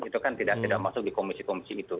itu kan tidak masuk di komisi komisi itu